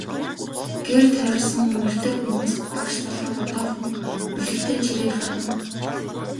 Гэр тойрсон морьтой хүмүүс багш залууг одоохон хүлэгтэй нь чирээд гаргана.